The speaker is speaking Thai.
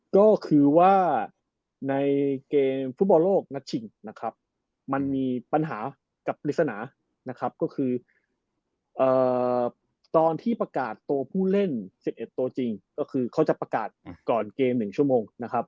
ก็คือว่าในเกมฟุตบอลโลกนัดชิงนะครับมันมีปัญหากับปริศนานะครับก็คือตอนที่ประกาศตัวผู้เล่น๑๑ตัวจริงก็คือเขาจะประกาศก่อนเกม๑ชั่วโมงนะครับ